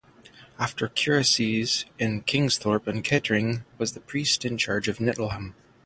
After curacies in Kingsthorpe and Kettering she was Priest in charge at Nettleham.